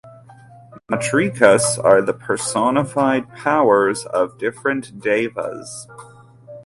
Matrikas are the personified powers of different Devas.